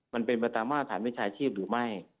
มันเป็นไปตามมาตรฐานวิชาชีพหรือไม่